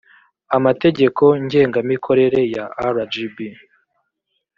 amategeko ngengamikorere ya rgb